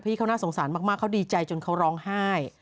เขาน่าสงสารมากเขาดีใจจนเขาร้องไห้